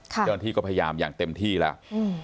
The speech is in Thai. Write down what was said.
เจ้าหน้าที่ก็พยายามอย่างเต็มที่แล้ว